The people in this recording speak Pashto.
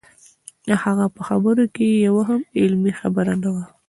د هغه په خبرو کې یوه هم علمي خبره نه وه.